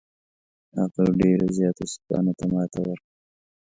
هغه ډېرو زیاتو سیکهانو ته ماته ورکړه.